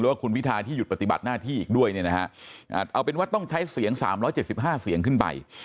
ว่าคุณพิทาที่หยุดปฏิบัติหน้าที่อีกด้วยเนี่ยนะฮะเอาเป็นว่าต้องใช้เสียง๓๗๕เสียงขึ้นไป